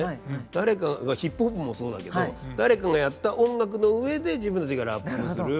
誰かがヒップホップもそうだけど誰かがやった音楽の上で自分たちがラップする。